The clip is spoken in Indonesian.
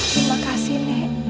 terima kasih nek